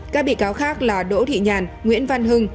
các bị cáo khác là đỗ thị nhàn nguyễn văn hưng